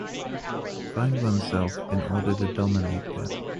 Find oneself in order to dominate them.